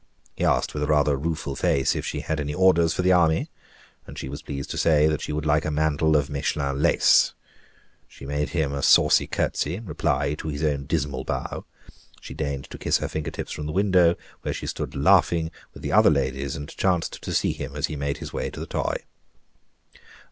He asked with a rather rueful face, if she had any orders for the army? and she was pleased to say that she would like a mantle of Mechlin lace. She made him a saucy curtsy in reply to his own dismal bow. She deigned to kiss her fingertips from the window, where she stood laughing with the other ladies, and chanced to see him as he made his way to the "Toy."